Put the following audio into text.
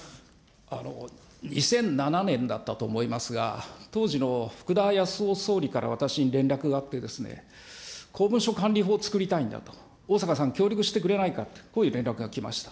２００７年だったと思いますが、当時の福田康夫総理から私に連絡があって、公文書管理法を作りたいんだと、逢坂さん、協力してくれないかと、こういう連絡が来ました。